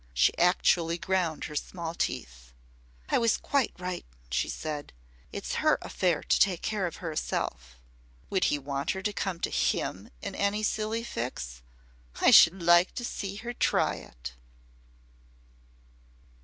She actually ground her small teeth. "I was quite right," she said. "It's her affair to take care of herself. Would he want her to come to him in any silly fix? I should like to see her try it."